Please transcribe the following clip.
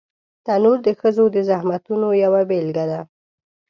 تنور د ښځو د زحمتونو یوه بېلګه ده